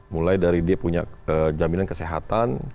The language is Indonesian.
mulai dari dia punya jaminan kesehatan